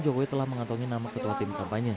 jokowi telah mengantongi nama ketua tim kampanye